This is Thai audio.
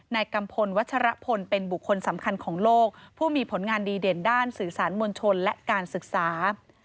กัมพลวัชรพลเป็นบุคคลสำคัญของโลกผู้มีผลงานดีเด่นด้านสื่อสารมวลชนและการศึกษา